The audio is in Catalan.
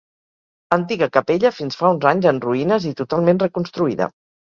Antiga capella fins fa uns anys en ruïnes i totalment reconstruïda.